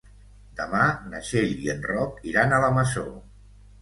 Demà na Txell i en Roc iran a la Masó.